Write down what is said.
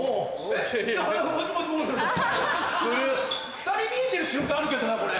２人見えてる瞬間あるけどなこれ。